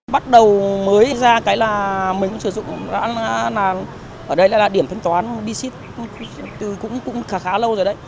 bắt đầu mới ra cái là mình cũng sử dụng ở đây là điểm thanh toán bí xít cũng khá lâu rồi đấy